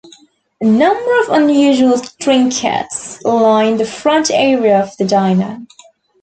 A number of unusual trinkets line the front area of the diner.